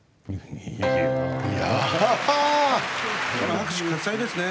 拍手喝采ですね。